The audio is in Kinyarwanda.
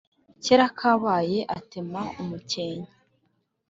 kera kabaye atema umukenke